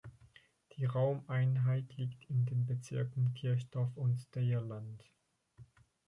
Die Raumeinheit liegt in den Bezirken Kirchdorf und Steyr-Land.